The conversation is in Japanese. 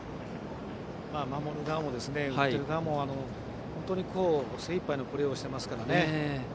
守る側も攻撃する側も精いっぱいのプレーをしていますからね。